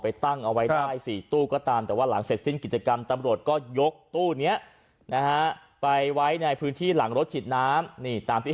ในที่ที่เราคิดไว้ได้นะคะแต่ว่าถึงได้เท่านี้